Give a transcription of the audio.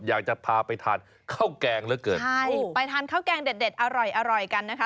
อยากจะพาไปทานข้าวแกงเหลือเกินใช่ไปทานข้าวแกงเด็ดเด็ดอร่อยอร่อยกันนะคะ